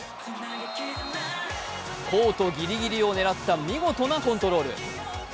コートぎりぎりを狙った見事なコントロール。